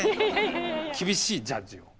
厳しいジャッジを。